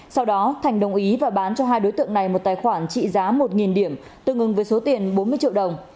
sau đó thành đồng ý và bán cho hai đối tượng này một tài khoản trị giá một điểm tương ứng với số tiền bốn mươi triệu đồng